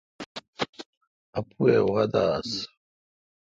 اّپوُاے°وادہ آس۔